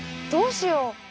どうしよう？